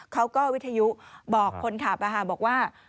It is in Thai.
เขาก็วิทยุบอกคนขับบอกว่า